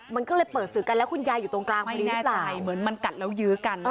มันก็เลยเปิดสื่อกันแล้วคุณยายอยู่ตรงกลางพอดีหรือเปล่าเหมือนมันกัดแล้วยื้อกัน